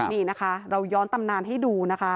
นี่นะคะเราย้อนตำนานให้ดูนะคะ